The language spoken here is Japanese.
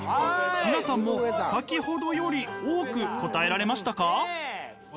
皆さんも先ほどより多く答えられましたか？